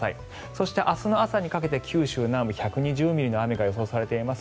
そして、明日の朝にかけて九州南部１２０ミリの雨が予想されています。